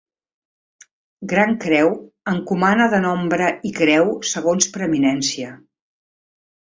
Gran Creu, Encomana de Nombre i Creu, segons preeminència.